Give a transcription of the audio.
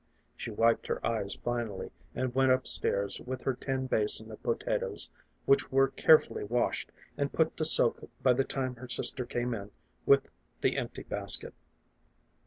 She wiped her eyes finally, and went up stairs with her tin basin of potatoes, which were carefully washed and put to soak by the time her sister came in with the empty basket.